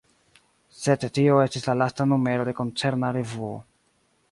Sed tio estis la lasta numero de koncerna revuo.